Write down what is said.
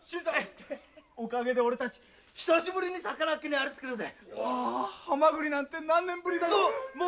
おかげで久しぶりに魚にありつけるぜハマグリなんて何年ぶりだろう。